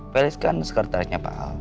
felis kan sekretariknya pak al